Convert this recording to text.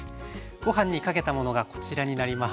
ご飯にかけたものがこちらになります。